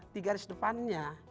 di garis depannya